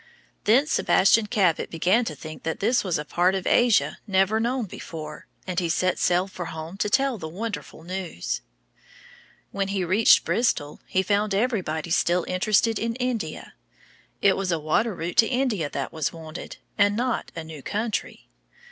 Then Sebastian Cabot began to think that this was a part of Asia never known before, and he set sail for home to tell the wonderful news. When he reached Bristol he found everybody still interested in India. It was a water route to India that was wanted, and not a new country.